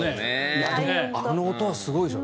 でもあの音はすごいですよ。